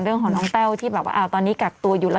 เรื่องของน้องแต้วที่แบบว่าตอนนี้กักตัวอยู่แล้ว